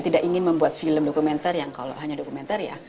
tidak ingin membuat film dokumenter yang kalau hanya dokumenter ya